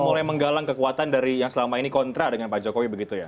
mulai menggalang kekuatan dari yang selama ini kontra dengan pak jokowi begitu ya